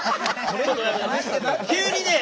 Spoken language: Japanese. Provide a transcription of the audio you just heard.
急にね